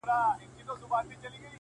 پر مخ وريځ؛